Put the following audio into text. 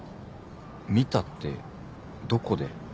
見たってどこで？